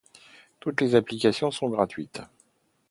Toutes les applications sont gratuites.